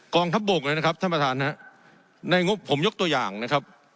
องทัพบกเลยนะครับท่านประธานฮะในงบผมยกตัวอย่างนะครับ